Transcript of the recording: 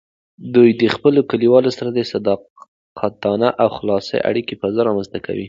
دوی د خپلو کلیوالو سره د صادقانه او خلاصو اړیکو فضا رامینځته کوي.